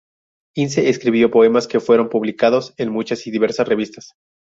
İnce escribió poemas, que fueron publicados en muchas y diversas revistas.